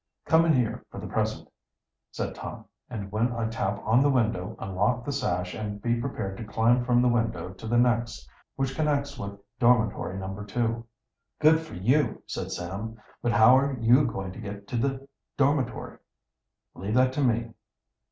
"Come in here for the present," said Tom. "And when I tap on the window unlock the sash and be prepared to climb from the window to the next, which connects with Dormitory No. 2." "Good for you!" said Sam. "But how are you going to get to the dormitory?" "Leave that to me."